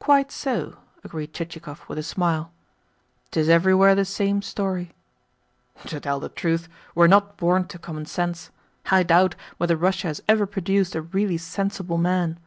"Quite so," agreed Chichikov with a smile. "'Tis everywhere the same story." "To tell the truth, we are not born to common sense. I doubt whether Russia has ever produced a really sensible man.